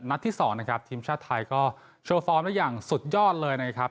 ที่๒นะครับทีมชาติไทยก็โชว์ฟอร์มได้อย่างสุดยอดเลยนะครับ